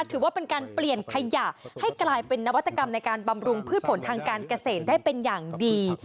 ถือว่าเป็นการเปลี่ยนขยะให้กลายเป็นนวัตกรรมในการบำรุงพืชผลทางการเกษตรได้เป็นอย่างดี